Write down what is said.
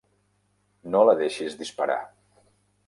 No la deixis disparar.